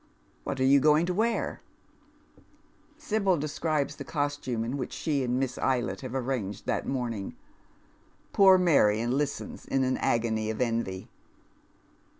What are you going to wear V" Sibyl describes the costume which she and Miss Eylett have an"anged that morning. Poor Marion listens in an agony of envy.